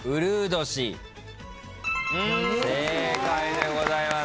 正解でございます。